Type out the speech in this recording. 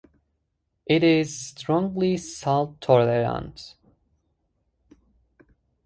It is strongly salt tolerant.